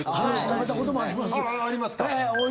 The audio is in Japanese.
食べたこともあります。